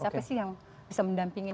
jadi itu yang kita sih yang bisa mendampingin